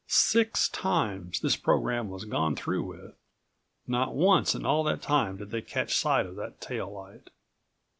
Six times this program was gone through with. Not once in all that time did they catch sight of that tail light.